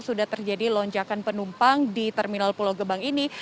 sudah terjadi lonjakan penumpang di terminal pulau gebang ini